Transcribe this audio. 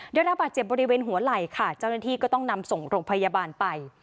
ได้รับบาดเจ็บบริเวณหัวไหล่ค่ะเจ้าหน้าที่ก็ต้องนำส่งโรงพยาบาลไป